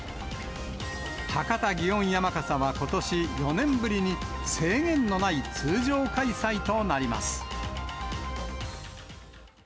博多祇園山笠はことし４年ぶりに、制限のない通常開催となります。